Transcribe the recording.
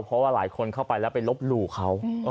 เพราะว่าหลายคนเข้าไปแล้วไปลบหลู่เขา